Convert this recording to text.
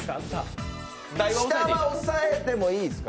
下は押さえてもいいんですか？